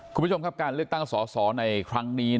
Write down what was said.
คุณผู้ชมครับการเลือกตั้งสอสอในครั้งนี้